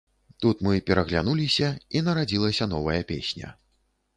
Тут мы пераглянуліся і нарадзілася новая песня.